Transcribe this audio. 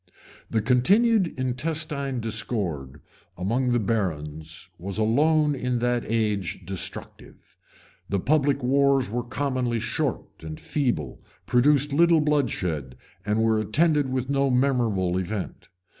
{1091.} The continued intestine discord among the barons was alone in that age destructive; the public wars were commonly short and feeble, produced little bloodshed, and were attended with no memorable event.